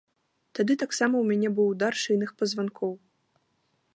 Тады таксама ў мяне быў удар шыйных пазванкоў.